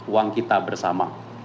uang kita bersama